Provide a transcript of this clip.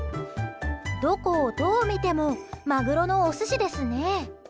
どこをどう見てもマグロのお寿司ですね。